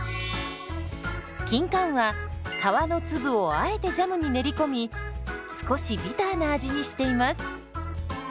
キンカンは皮の粒をあえてジャムに練り込み少しビターな味にしています。